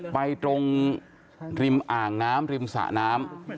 ไปตรงริมอ่างน้ำริมสะน้ำ